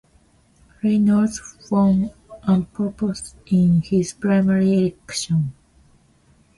Reynolds won unopposed in his primary election.